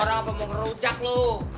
orang apa mau ngerujak lo